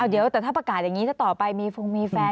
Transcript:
เดี๋ยวแต่ถ้าประกาศอย่างนี้ถ้าต่อไปมีฟงมีแฟน